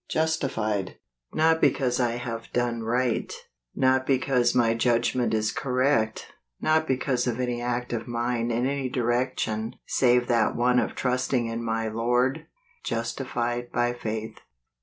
Justified! Not because I have done right; not because my judgment is correct; not because of any act of mine in any direc¬ tion save that one of trusting in my Lord, justified by faith!